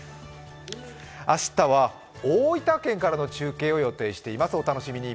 明日は大分県からの中継を予定しています、お楽しみに。